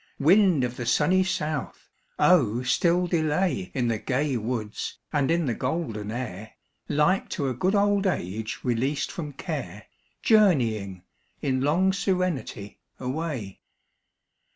Wind of the sunny south! oh still delay In the gay woods and in the golden air, Like to a good old age released from care, Journeying, in long serenity, away.